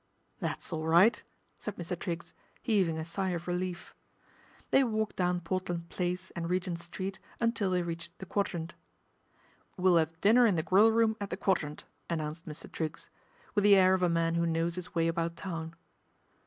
" That's all right," said Mr. Triggs, heaving a sigh of relief. They walked down Portland Place and Regent Street until they reached the Quadrant. " We'll 'ave dinner in the Grill room at the Quadrant," announced Mr. Triggs, with the air of a man who knows his way about town.